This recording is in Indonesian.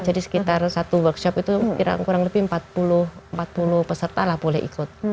jadi sekitar satu workshop itu kurang lebih empat puluh peserta lah boleh ikut